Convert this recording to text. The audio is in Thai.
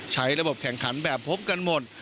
ใช้ระบบแข่งขันแบบพบกันหมด